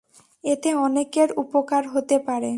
এতে অনেকের উপকার হতে পারে।